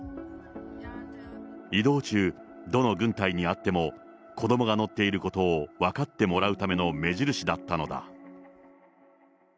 移動中、どの軍隊に会っても子どもが乗っていることを分かってもらうための目印だったのだ。